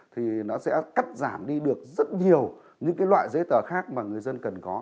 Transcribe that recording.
thì nó sẽ cắt giảm đi được rất nhiều những loại giấy tờ khác mà người dân cần có